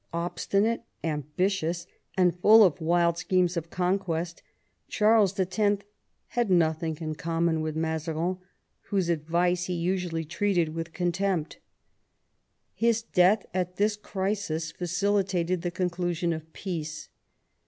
Obstinate, ambitious, and full of wild schemes of conquest, Charles X. had nothing in common with Mazarin, whose advice he usually treated with contempt. His death at this crisis facilitated the conclusion of peace.